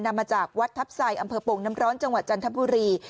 นำมาจากวัดทัพไซอำเภอโป่งน้ำร้อนจังหวัดจันทบุรี